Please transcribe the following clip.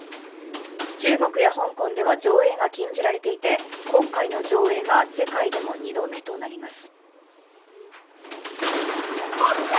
中国や香港では上映が禁じられていて、今回の上映が世界でも２度目となります。